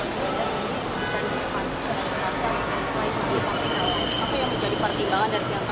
apa yang menjadi partikul